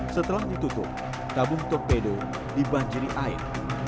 setelah ditutup tabung torpedo dibanjiri air